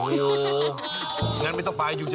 โอ้ย็างั้นไม่ต้องไปอยู่เฉย